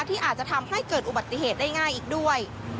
ที่อาจจะทำให้เกิดอุบัติเหตุได้ง่ายอีกด้วย